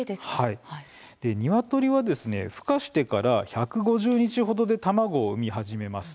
ニワトリはふ化してから１５０日程で卵を産み始めます。